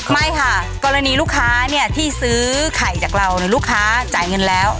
ไม่ค่ะกรณีลูกค้าเนี่ยที่ซื้อไข่จากเราเนี่ยลูกค้าจ่ายเงินแล้ว